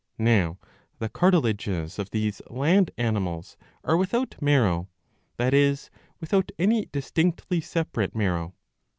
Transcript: ^^ Now the cartilages of these land animals are without marrow, that is without any dis tinctly separate marrow.